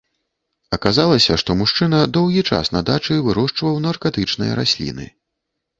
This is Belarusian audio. Аказалася, што мужчына доўгі час на дачы вырошчваў наркатычныя расліны.